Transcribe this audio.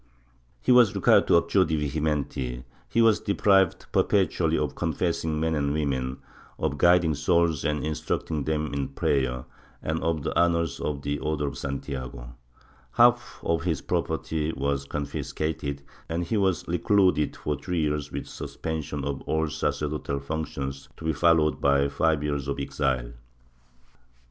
He was required to abjure de vehementi, he was deprived perpet ually of confessing men and women, of guiding souls and instruct ing them in prayer, and of the honors of the Order of Santiago; half of his property was confiscated, and he was recluded for three years with suspension of all sacerdotal functions, to be followed by five years of exile.